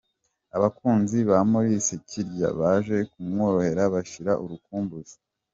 Abakunzi ba Maurice Kirya baje kumuhobera bashira urukumbuzi.